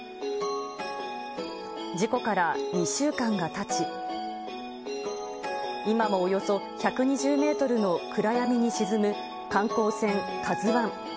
事故から２週間がたち、今もおよそ１２０メートルの暗闇に沈む観光船ＫＡＺＵＩ。